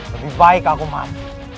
lebih baik aku mati